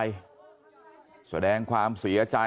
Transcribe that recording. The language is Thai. ชาวบ้านในพื้นที่บอกว่าปกติผู้ตายเขาก็อยู่กับสามีแล้วก็ลูกสองคนนะฮะ